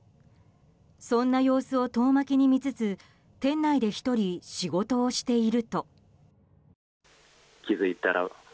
そんな様子を遠巻きに見つつ店内で１人仕事をしていると。